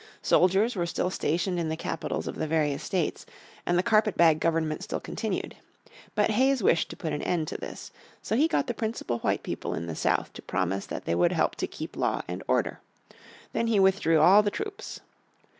Soldiers were still stationed in the capitals of the various states, and the carpet bag government still continued. But Hayes wished to put an end to this. So he got the principal white people in the South to promise that they would help to keep law and order. Then he withdrew all the troops.